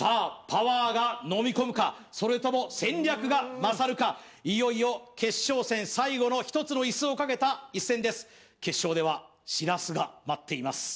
パワーが飲み込むかそれとも戦略が勝るかいよいよ決勝戦最後の１つのイスを賭けた１戦です決勝ではしらすが待っています